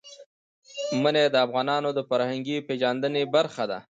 منی د افغانانو د فرهنګي پیژندنې برخه ده.